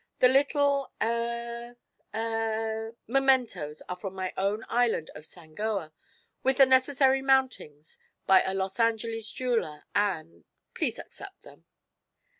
The little eh eh mementos are from my own Island of Sangoa, with the necessary mountings by a Los Angeles jeweler, and please accept them!"